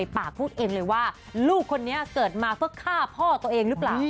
ปากพูดเองเลยว่าลูกคนนี้เกิดมาเพื่อฆ่าพ่อตัวเองหรือเปล่า